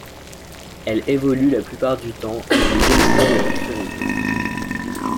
Elle évolue la plupart du temps au deuxième niveau de la Currie Cup.